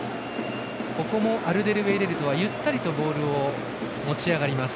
ここもアルデルウェイレルトはゆったりとボールを持ち上がります。